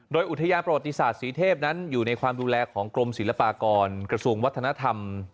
โดยอุทยานประวัติศาสตร์ศรีเทพนั้นอยู่ในความดูแลของกรมศิลปากรกระทรวงวัฒนธรรม